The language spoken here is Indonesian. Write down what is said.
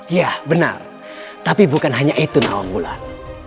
ya benar tapi bukan hanya itu nawang bulan